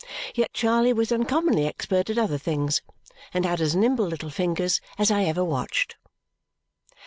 Yet Charley was uncommonly expert at other things and had as nimble little fingers as I ever watched.